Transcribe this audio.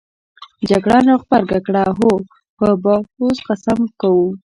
جګړن راغبرګه کړه: هو په باکوس قسم درکوو.